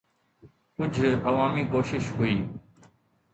ڪجهه عوامي ڪوشش هئي.